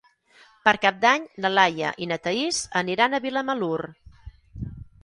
Per Cap d'Any na Laia i na Thaís aniran a Vilamalur.